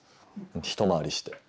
一回りして。